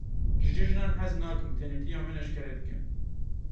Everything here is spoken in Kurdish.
Ji cejinan hez nakim, tenêtiya min eşkere dikin.